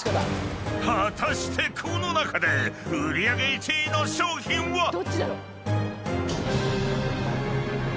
［果たしてこの中で売り上げ１位の商品は⁉］